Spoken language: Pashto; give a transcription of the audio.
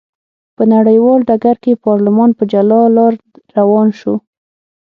په نړیوال ډګر کې پارلمان په جلا لار روان شو.